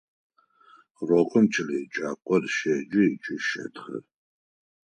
Урокым кӏэлэеджакӏор щеджэ ыкӏи щэтхэ.